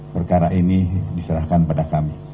perkara ini diserahkan pada kami